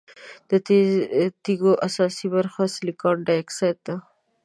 د تیږو اساسي برخه سلیکان ډای اکسايډ ده.